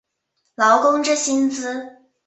劳工之薪资